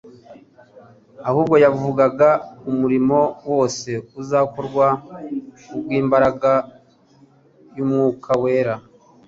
ahubwo yavugaga umurimo wose uzakorwa kubw'imbaraga y'Umwuka wera.